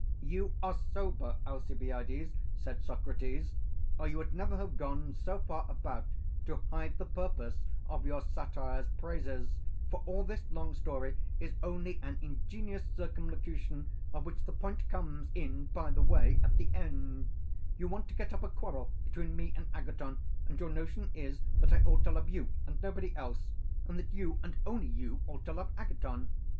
You are sober, Alcibiades, said Socrates, or you would never have gone so far about to hide the purpose of your satyr's praises, for all this long story is only an ingenious circumlocution, of which the point comes in by the way at the end; you want to get up a quarrel between me and Agathon, and your notion is that I ought to love you and nobody else, and that you and you only ought to love Agathon.